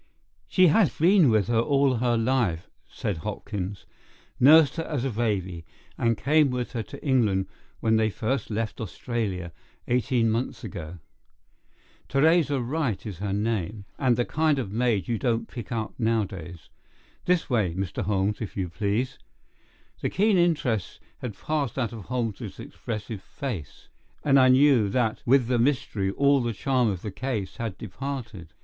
"She has been with her all her life," said Hopkins. "Nursed her as a baby, and came with her to England when they first left Australia, eighteen months ago. Theresa Wright is her name, and the kind of maid you don't pick up nowadays. This way, Mr. Holmes, if you please!" The keen interest had passed out of Holmes's expressive face, and I knew that with the mystery all the charm of the case had departed.